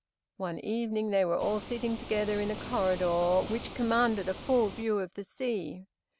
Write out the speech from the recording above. One evening they were all sitting together in a corridor which commanded a full view of the sea.